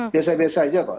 biasa biasa saja kok